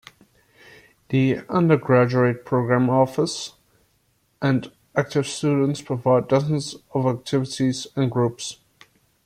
The Undergraduate Program Office and active students provide dozens of activities and groups.